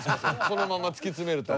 このまま突き詰めると。